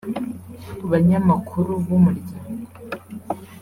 Banyamakuru b’umuryango